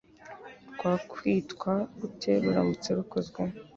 rwakwitwa 'gute ruramutse rukozwe